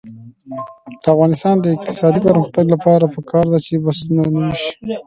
د افغانستان د اقتصادي پرمختګ لپاره پکار ده چې بسونه نوي شي.